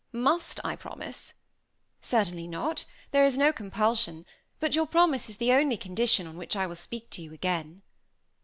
"Must I promise?" "Certainly not, there is no compulsion; but your promise is the only condition on which I will speak to you again."